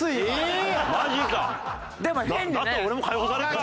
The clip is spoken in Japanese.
だったら俺も解放されるか！